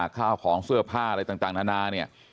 ข้าวของเสื้อผ้าอะไรต่างนานาเนี่ย